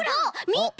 みて！